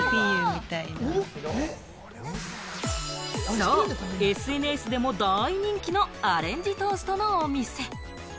そう、ＳＮＳでも大人気のアレンジトーストのお店。